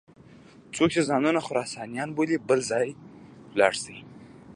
څوک چې ځانونه خراسانیان بولي بل ځای ولاړ شي.